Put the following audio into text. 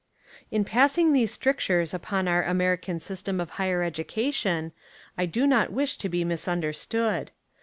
In passing these strictures upon our Ameri can system of higher education, I do not wish to be misunderstood.